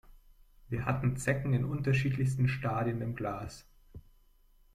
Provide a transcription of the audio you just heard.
Wir hatten Zecken in unterschiedlichsten Stadien im Glas.